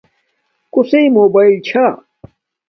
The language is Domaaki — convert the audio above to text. کوسݵ موباݵل چھا